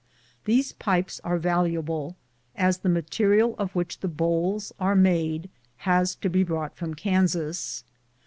These pipes are valuable, as the material of which the bowls are made has to be brought from Kansas.